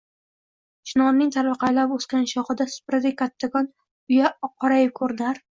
chinorning tarvaqaylab o’sgan shoxida supradek kattakon uya qorayib ko’rinar